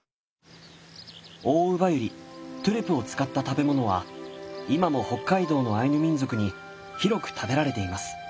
オオウバユリトゥレを使った食べ物は今も北海道のアイヌ民族に広く食べられています。